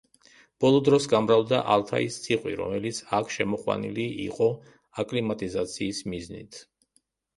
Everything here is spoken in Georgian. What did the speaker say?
ბოლო დროს გამრავლდა ალთაის ციყვი, რომელიც აქ შემოყვანილი იყო აკლიმატიზაციის მიზნით.